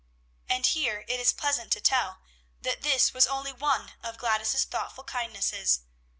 And here it is pleasant to tell, that this was only one of Gladys's thoughtful kindnesses.